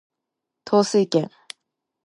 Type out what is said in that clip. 統帥権